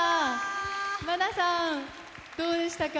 愛菜さん、どうでしたか？